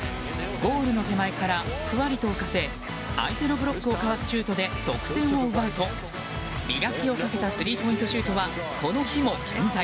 ゴールの手前からふわりと浮かせ相手のブロックをかわすシュートで得点を奪うと磨きをかけたスリーポイントシュートはこの日も健在。